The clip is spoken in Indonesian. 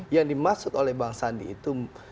yang dimaksud oleh bang sandi itu